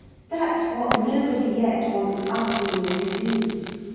That's what nobody yet wants us women to do.